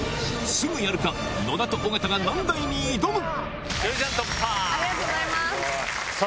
スグやる課、野田と尾形が難題に挑む。